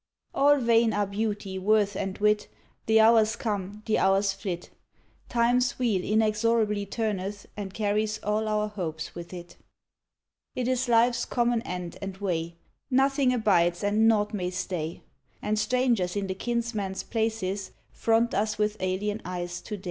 All vain are beauty, worth, and wit, The hours come, the hours flit ; Time's wheel inexorably turneth, And carries all our hopes with it. It is life's common end and way ; Nothing abides and naught may stay ; And strangers in the kinsmen's places Front us with alien eyes to day.